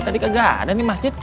tadi kega ada nih masjid